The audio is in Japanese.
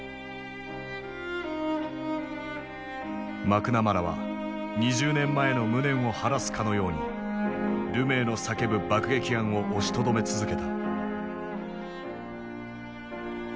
マクナマラは２０年前の無念を晴らすかのようにルメイの叫ぶ爆撃案を押しとどめ続けた。